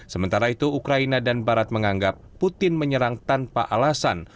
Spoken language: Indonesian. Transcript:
sementara itu ukraina dan barat menganggap putin menyerang tanpa alasan